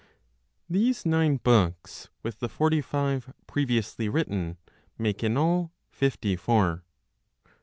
These nine books, with the forty five previously written, make in all fifty four.